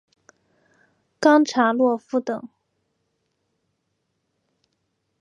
冈察洛夫等。